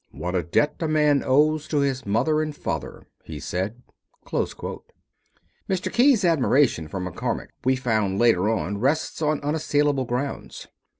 'What a debt a man owes to his mother and father,' he said." Mr. Key's admiration for McCormack we found later on rests on unassailable grounds.